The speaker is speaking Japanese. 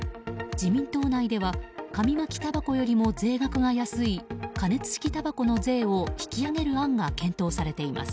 自民党内では紙巻きたばこよりも税額が安い加熱式たばこの税を引き上げる案が検討されています。